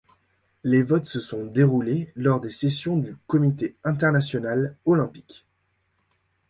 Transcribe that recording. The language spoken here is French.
Les votes se sont déroulés lors de sessions du Comité international olympique.